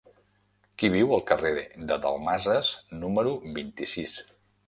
Qui viu al carrer de Dalmases número vint-i-sis?